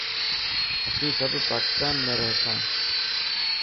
اسين سب پاڪستان رهيسان.